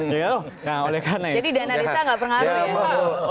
jadi dana desa nggak pengaruh ya pak